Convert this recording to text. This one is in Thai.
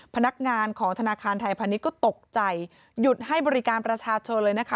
พนักงานของธนาคารไทยพาณิชย์ก็ตกใจหยุดให้บริการประชาชนเลยนะคะ